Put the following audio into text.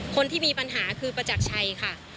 คนที่มีปัญหาคือประจักรชัยค่ะ